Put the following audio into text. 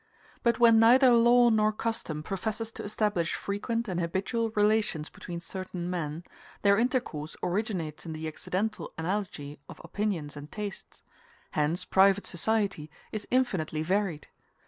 But when neither law nor custom professes to establish frequent and habitual relations between certain men, their intercourse originates in the accidental analogy of opinions and tastes; hence private society is infinitely varied.